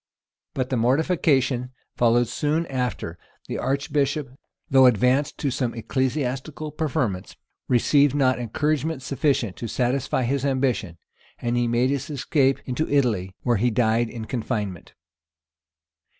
But the mortification followed soon after: the archbishop, though advanced to some ecclesiastical preferments.[] received not encouragement sufficient to satisfy his ambition; he made his escape into Italy, where he died in confinement.